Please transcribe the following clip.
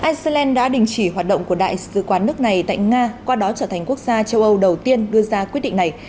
iceland đã đình chỉ hoạt động của đại sứ quán nước này tại nga qua đó trở thành quốc gia châu âu đầu tiên đưa ra quyết định này